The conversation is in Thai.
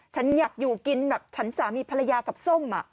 ฉันอยากอยู่กินแบบฉันสามีภรรยากับส้ม